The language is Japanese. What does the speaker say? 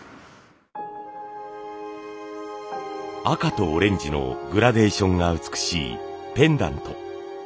赤とオレンジのグラデーションが美しいペンダント。